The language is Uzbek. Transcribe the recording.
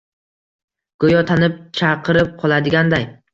Go'yo tanib, chaqirib qoladiganday.